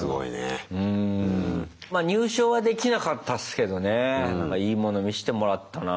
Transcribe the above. まあ入賞はできなかったっすけどねいいもの見してもらったな。